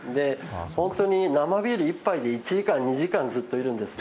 本当に生ビール１杯で１時間、２時間ずっといるんです。